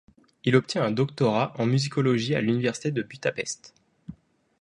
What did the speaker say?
Il obtient un doctorat en musicologie à l'Université de Budapest.